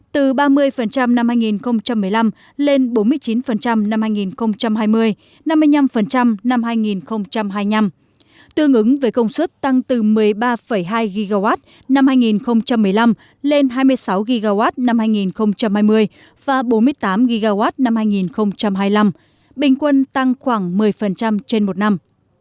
từ ba mươi năm hai nghìn một mươi năm lên bốn mươi chín năm hai nghìn hai mươi năm mươi năm năm hai nghìn hai mươi năm tương ứng với công suất tăng từ một mươi ba hai gw năm hai nghìn một mươi năm lên hai mươi sáu gw năm hai nghìn hai mươi và bốn mươi tám gw năm hai nghìn hai mươi năm bình quân tăng khoảng một mươi trên một năm